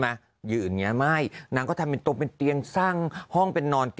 ยืนอย่างเงี้ไม่นางก็ทำเป็นตัวเป็นเตียงสร้างห้องเป็นนอน